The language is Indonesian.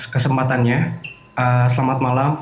kesempatannya selamat malam